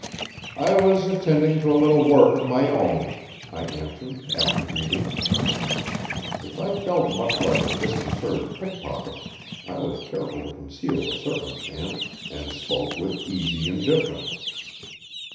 "I was attending to a little work of my own," I answered, after greeting. If I felt much like a disconcerted pickpocket I was careful to conceal the circumstance, and spoke with easy indifference.